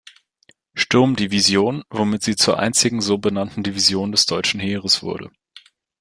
Sturm-Division", womit sie zur einzigen so benannten Division des deutschen Heeres wurde.